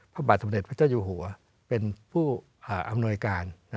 เป็นผู้อำนวยการ